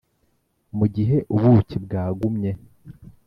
mu gihe ubuki bwagumye